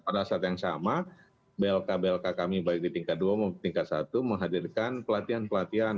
pada saat yang sama blk blk kami baik di tingkat dua maupun tingkat satu menghadirkan pelatihan pelatihan